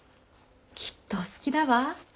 きっとお好きだわ。